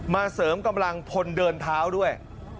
เสริมกำลังพลเดินเท้าด้วย